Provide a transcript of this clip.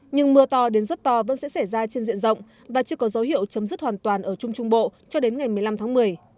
nhưng mưa to đến rất to vẫn sẽ xảy ra trên diện rộng và chưa có dấu hiệu chấm dứt hoàn toàn ở trung trung bộ cho đến ngày một mươi năm tháng một mươi